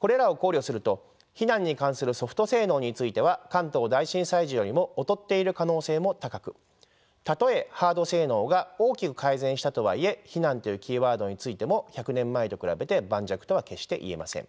これらを考慮すると避難に関するソフト性能については関東大震災時よりも劣っている可能性も高くたとえハード性能が大きく改善したとはいえ避難というキーワードについても１００年前と比べて盤石とは決していえません。